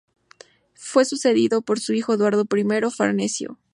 Fue sucedido por su hijo Eduardo I Farnesio.